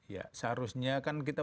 ya seharusnya kan kita